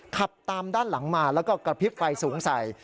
ขับตามด้านหลังมาแล้วก็กระพริบไฟสูงใส่